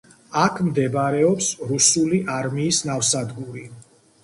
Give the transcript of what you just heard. აქ მდებარეობს რუსული არმიის ნავსადგური.